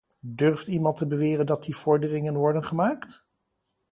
Durft iemand te beweren dat die vorderingen worden gemaakt?